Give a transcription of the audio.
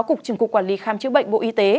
cục trưởng cục quản lý kham chứa bệnh bộ y tế